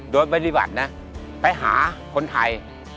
โดยปฏิบัตินะไปหาคนไทย